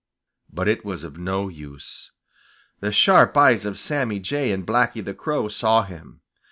But it was of no use. The sharp eyes of Sammy Jay and Blacky the Crow saw him.